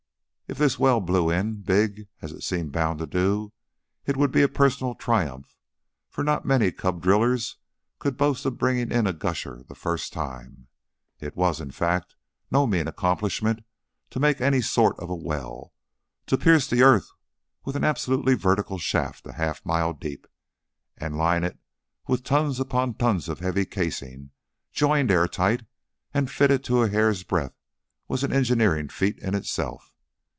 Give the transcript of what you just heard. If this well blew in big, as it seemed bound to do, it would be a personal triumph, for not many cub drillers could boast of bringing in a gusher the first time. It was, in fact, no mean accomplishment to make any sort of a well; to pierce the earth with an absolutely vertical shaft a half mile deep and line it with tons upon tons of heavy casing joined air tight and fitted to a hair's breadth was an engineering feat in itself.